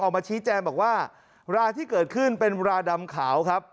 ออกมาชี้แจงบอกว่าราที่เกิดขึ้นเป็นราดำขาวครับ